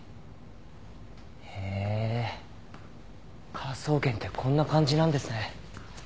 へえ科捜研ってこんな感じなんですね。